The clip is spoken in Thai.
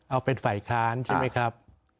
เอาเป็นฝ่ายค้านใช่ไหมครับ